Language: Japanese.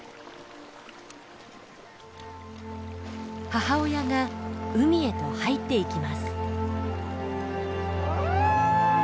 母親が海へと入っていきます。